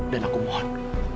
dan aku mohon